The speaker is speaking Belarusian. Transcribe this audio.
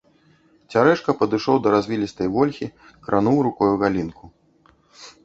Цярэшка падышоў да развілістай вольхі, крануў рукою галінку.